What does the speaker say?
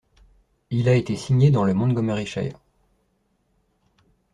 Il a été signé le dans le Montgomeryshire.